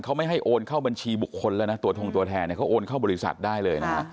เขาไม่ให้โอนเข้าบัญชีบุคคลแล้วนะตัวทงตัวแทนเขาโอนเข้าบริษัทได้เลยนะฮะ